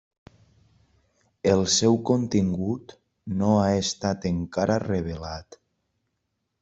El seu contingut no ha estat encara revelat.